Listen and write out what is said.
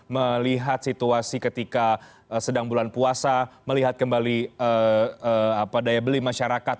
melihat situasi ketika sedang bulan puasa melihat kembali daya beli masyarakat